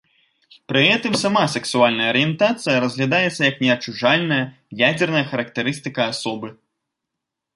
Пры гэтым сама сексуальная арыентацыя разглядаецца як неадчужальная, ядзерная характарыстыка асобы.